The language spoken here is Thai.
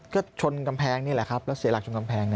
ก็ชนกำแพงนี่แหละครับแล้วเสียหลักชนกำแพง